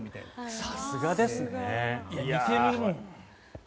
さすがですね。